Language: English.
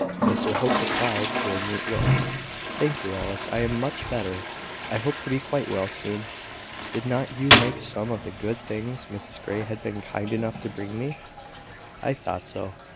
Mr Hope replied to her mute looks: "Thank you, Alice, I am much better. I hope to be quite well soon. Did not you make some of the good things Mrs Grey has been kind enough to bring me? I thought so.